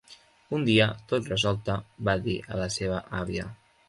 Un dia, tota resolta, va dir a la seva àvia: